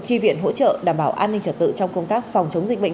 tri viện hỗ trợ đảm bảo an ninh trật tự trong công tác phòng chống dịch bệnh